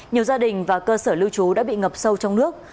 nhiều gia đình và cơ sở lưu trú đã bị ngập sâu trong nước